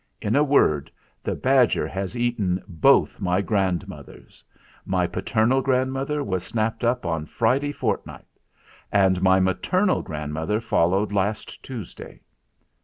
In a word, the badger has eaten both my grandmothers! My paternal grandmother was snapped up on Friday fortnight; and my maternal grandmother followed last Tuesday.